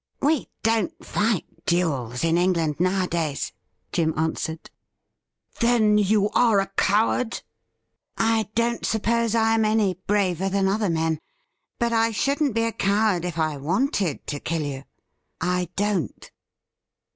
'We don't fight duels in England nowadays,' Jim answered. 304 THE RIDDLE RING ' Then, you are a coward ?'' I don't suppose I am any braver than other men. But I shouldn't be a coward if I wanted to kill you. I don't.'